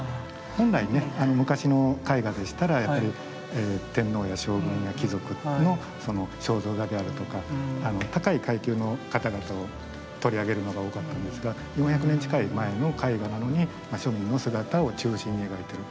本来ね昔の絵画でしたらやっぱり天皇や将軍や貴族の肖像画であるとか高い階級の方々を取り上げるのが多かったんですが４００年近い前の絵画なのに庶民の姿を中心に描いてる。